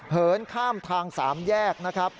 เหินข้ามทาง๓แยกนะครับ